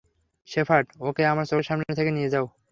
Shepherd, ওকে আমার চোখের সামনে থেকে নিয়ে যাও!